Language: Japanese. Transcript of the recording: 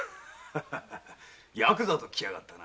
ヤクザときやがったな。